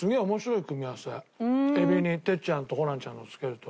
エビに哲ちゃんとホランちゃんのつけると。